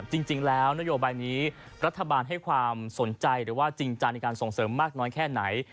จริงแล้วนโยบายนี้รัฐบาลให้ความสนใจหรือว่าจริงจังในการส่งเสริมมากน้อยแค่ไหน